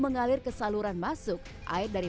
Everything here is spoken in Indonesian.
mengalir ke saluran masuk air dari